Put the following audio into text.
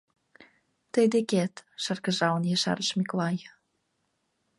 Тый декет, — шыргыжалын ешарыш Миклай.